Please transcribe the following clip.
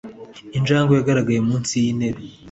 injangwe yagaragaye munsi yintebe